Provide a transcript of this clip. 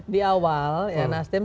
di awal ya nasdem